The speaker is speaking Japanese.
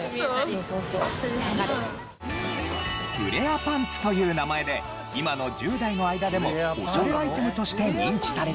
フレアパンツという名前で今の１０代の間でもオシャレアイテムとして認知されているようです。